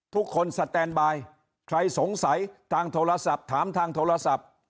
ทุกคนสแตนบายใครสงสัยทางโทรศัพท์ถามทางโทรศัพท์